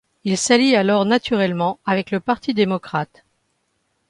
Il s'allie alors naturellement avec le parti démocrate.